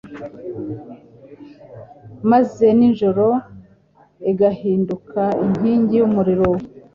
maze nijoro igahinduka inkingi y'umuriro.